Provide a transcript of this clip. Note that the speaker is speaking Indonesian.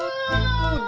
terima kasih tewaga